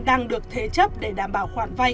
đang được thế chấp để đảm bảo khoản vay